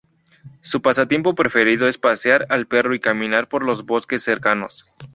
Su pasatiempo preferido es pasear al perro y caminar por los bosques cercanos.